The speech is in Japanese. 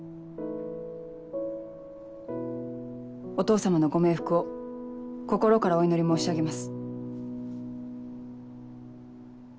お義父様のご冥福を心からお祈り申し上げます。